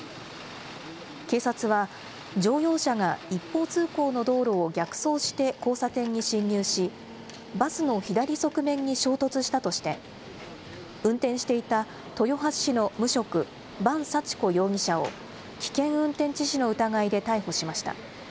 警察は、乗用車が一方通行の道路を逆走して交差点に進入し、バスの左側面に衝突したとして、運転していた豊橋市の無職、伴幸子容疑者を、危険運転致死の疑いで逮捕しました。